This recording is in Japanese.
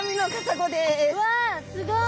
わすごい。